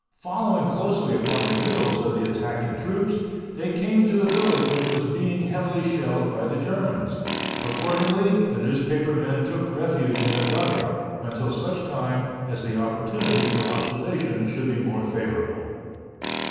Following closely upon the heels of the attacking troops, they came to a village which was being heavily shelled by the Germans. Accordingly, the newspaper men took refuge in a dugout until such time as the opportunity for observation should be more favorable.